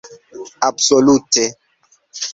absolute